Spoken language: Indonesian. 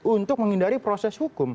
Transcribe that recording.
untuk menghindari proses hukum